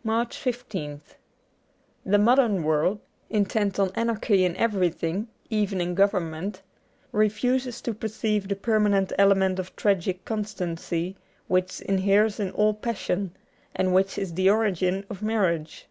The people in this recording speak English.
80 MARCH 15th THE modern world (intent on anarchy in every thing, even in Government) refuses to perceive the permanent element of tragic constancy which inheres in all passion, and which is the origin of marriage.